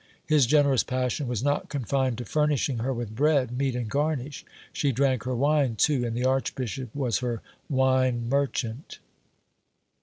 His generous passion was not confined to furnishing her with bread, meat, and garnish ; she drank her wine too, and the archbishop was her wine merchant.